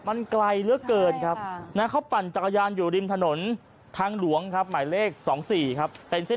มันไกลเหลือเกินครับ